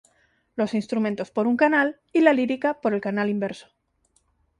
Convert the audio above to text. Los instrumentos por un canal y la lírica por el canal inverso.